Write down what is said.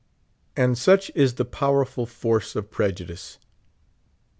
And such is the powerful force of prejudice.